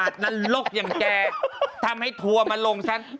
ทำให้ทัวมาลงฉัน